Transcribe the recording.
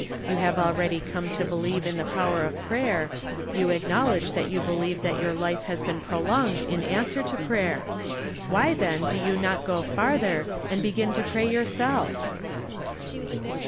You have already come to beheve in the power of praj'er. You acknowl edge that you believe that your life has been prolonged in answer to prayer. Why, then, do you not go farther, and begin to pray yourself?